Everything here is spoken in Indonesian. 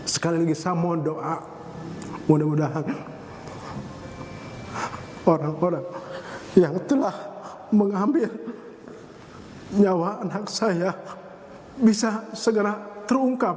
sekali lagi saya mohon doa mudah mudahan orang orang yang telah mengambil nyawa anak saya bisa segera terungkap